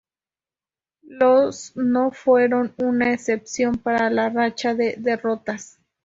Los no fueron una excepción para la racha de derrotas.